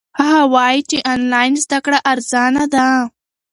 هغه وایي چې آنلاین زده کړه ارزانه ده.